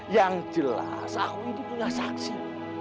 yang jelas aku itu punya saksi